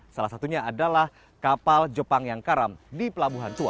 salah satunya adalah kapal jepang yang karam di pelabuhan tua